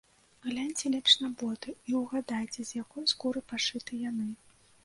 Гляньце лепш на боты і ўгадайце, з якой скуры пашыты яны.